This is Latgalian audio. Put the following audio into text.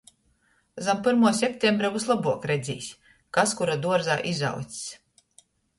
Zam pyrmuo septembra vyslobuok redzīs, kas kura duorzā izaudzs.